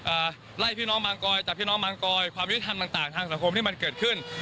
อ่าไล่พี่น้องมังกอยจากพี่น้องมังกอยความยุติธรรมต่างต่างทางสังคมที่มันเกิดขึ้น